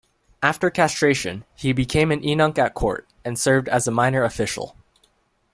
After castration, he became a eunuch at court, and served as a minor official.